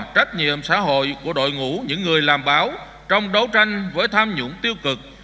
trách nhiệm xã hội của đội ngũ những người làm báo trong đấu tranh với tham nhũng tiêu cực